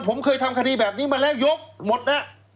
ผมเคยทำคดีแบบนี้มาแล้วยกหมดนะ